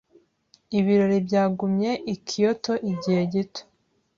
Ibirori byagumye i Kyoto igihe gito.